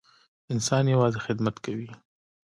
انسان یوازې خدمت کوي.